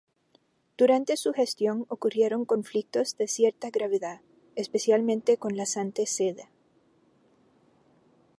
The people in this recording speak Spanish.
Durante su gestión ocurrieron conflictos de cierta gravedad, especialmente con la Santa Sede.